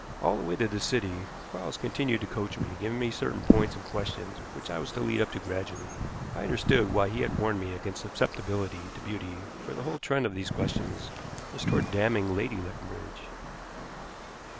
All the way to the city Quarles continued to coach me, giving me certain points and questions which I was to lead up to gradually. I understood why he had warned me against susceptibility to beauty, for the whole trend of these questions was toward damning Lady Leconbridge.